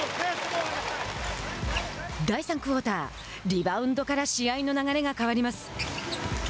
第３クオーターリバウンドから試合の流れが変わります。